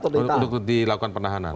untuk dilakukan penahanan